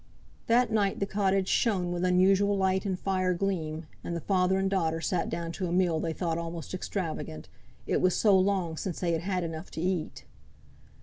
That night the cottage shone with unusual light, and fire gleam; and the father and daughter sat down to a meal they thought almost extravagant. It was so long since they had had enough to eat.